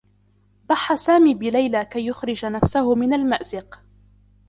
ضحّى سامي بليلى كي يُخرج نفسه من المأزق.